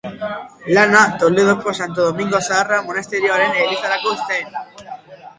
Lana Toledoko Santo Domingo Zaharra monasterioaren elizarako zen.